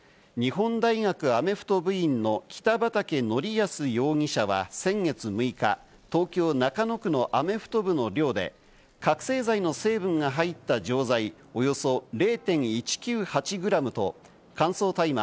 日本大学アメフト部員の北畠成文容疑者は先月６日、東京・中野区のアメフト部の寮で覚せい剤の成分が入った錠剤、およそ０．１９８グラムと乾燥大麻